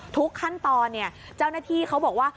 ทุกขั้นตอนเจ้าหน้าที่เขาบอกว่า